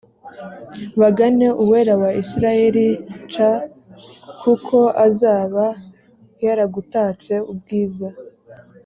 bagane Uwera wa Isirayeli c kuko azaba yaragutatse ubwiza